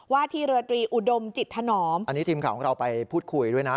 ว่าที่เรือตรีอุดมจิตทนอมอันนี้ทีมของงานไปพูดคุยด้วยนะ